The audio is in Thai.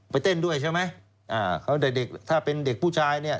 เต้นด้วยใช่ไหมอ่าเขาเด็กเด็กถ้าเป็นเด็กผู้ชายเนี่ย